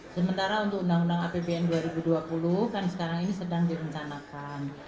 sementara untuk undang undang apbn dua ribu dua puluh kan sekarang ini sedang direncanakan